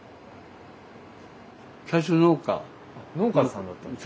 農家さんだったんですか？